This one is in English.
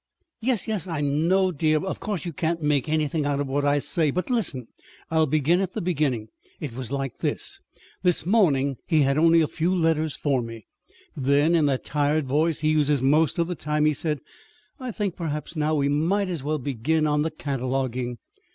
"Yes, yes, I know, dear, of course you can't make anything out of what I say. But listen. I'll begin at the beginning. It was like this: This morning he had only a few letters for me. Then, in that tired voice he uses most of the time, he said: 'I think perhaps now, we might as well begin on the cataloguing.